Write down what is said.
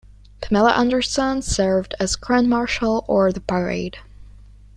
Pamela Anderson served as Grand Marshal or the parade.